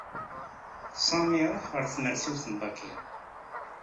Sami iṛuḥ ɣer tmersiwt n Bakir.